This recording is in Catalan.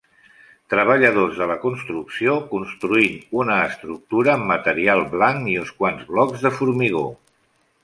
Treballadors de la construcció construint una estructura amb material blanc i uns quants blocs de formigó.